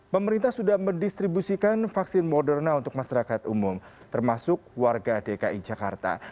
pemerintah sudah mendistribusikan vaksin moderna untuk masyarakat umum termasuk warga dki jakarta